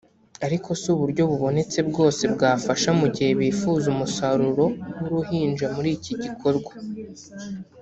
ariko si uburyo bubonetse bwose bwafasha mu gihe bifuza umusaruro w’uruhinja muri iki gikorwa […]